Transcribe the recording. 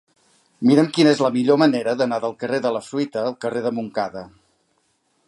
Mira'm quina és la millor manera d'anar del carrer de la Fruita al carrer de Montcada.